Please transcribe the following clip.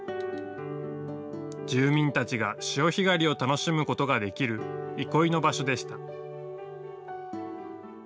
住民たちが潮干狩りを楽しむことができる憩いの場所でした。